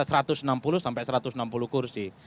sampai satu ratus enam puluh kursi